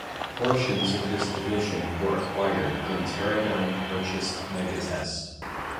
Portions of this division were acquired when Teradyne purchased Megatest.